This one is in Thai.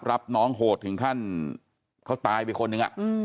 รับน้องโหดถึงขั้นเขาตายไปคนหนึ่ง